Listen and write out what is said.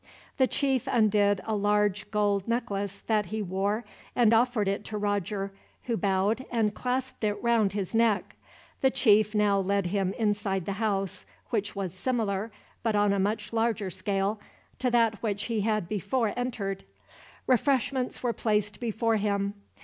The chief undid a large gold necklace that he wore, and offered it to Roger, who bowed and clasped it round his neck. The chief now led him inside the house, which was similar, but on a much larger scale, to that which he had before entered. Refreshments were placed before him.